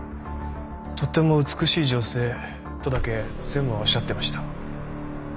「とても美しい女性」とだけ専務はおっしゃってました。